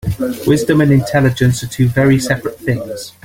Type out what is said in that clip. Wisdom and intelligence are two very seperate things.